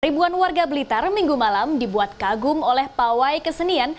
ribuan warga blitar minggu malam dibuat kagum oleh pawai kesenian